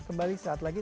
kembali saat lagi